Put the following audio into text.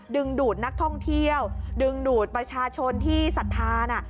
ดึงดูดนักท่องเที่ยวดึงดูดประชาชนที่ศรัทธาน่ะ